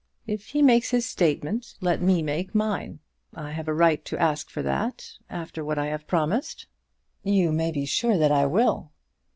If he makes his statement, let me make mine. I have a right to ask for that, after what I have promised." "You may be sure that I will."